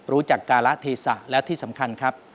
รู้จักการะเทศะและที่สำคัญครับ